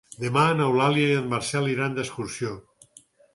Demà n'Eulàlia i en Marcel iran d'excursió.